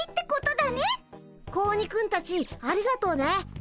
子鬼くんたちありがとうね。